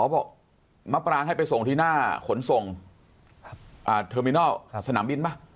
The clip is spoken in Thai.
บอกมะปรางให้ไปส่งที่หน้าขนส่งเทอร์มินอลสนามบินป่ะ